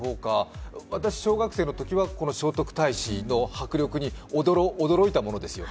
私、小学生のときはこの聖徳太子の迫力に驚いたものですよ。